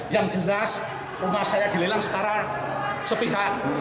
yang jelas rumah saya dilelang secara sepihak